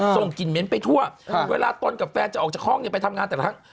ส่งกลิ่นเหม็นไปทั่วเวลาตนกับแฟนจะออกจากห้องเนี่ยไปทำงานแต่ละครั้ง